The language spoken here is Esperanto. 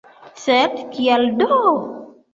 Sed kial do?